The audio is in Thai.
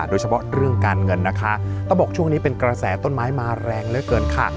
โดยเฉพาะเรื่องการเงินนะคะต้องบอกช่วงนี้เป็นกระแสต้นไม้มาแรงเหลือเกินค่ะ